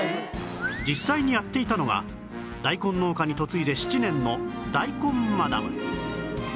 実際にやっていたのが大根農家に嫁いで７年の大根マダム